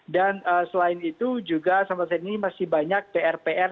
selain itu juga sampai saat ini masih banyak pr pr